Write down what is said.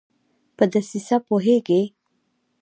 په دسیسه پوهیږي